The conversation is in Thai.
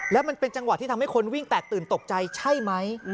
แล้วมันเป็นจังหวะที่ทำให้คนวิ่งแตกตื่นตกใจใช่ไหม